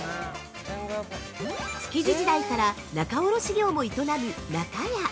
◆築地時代から仲卸業も営む「仲家」。